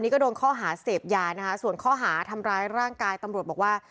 ก็โดนข้อหาเสพยานะคะส่วนข้อหาทำร้ายร่างกายตำรวจบอกว่า